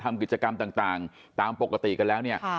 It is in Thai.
ทำกิจกรรมต่างตามปกติกันแล้วเนี่ย